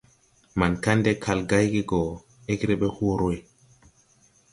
Man Kande kal gayge go, ɛgre be hore.